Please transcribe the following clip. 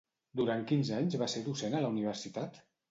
Durant quins anys va ser docent a la universitat?